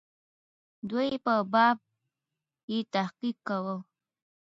دوی په باب یې تحقیق کاوه.